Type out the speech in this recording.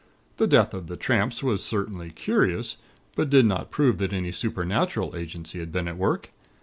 The death of the tramps was certainly curious; but did not prove that any supernatural agency had been at work.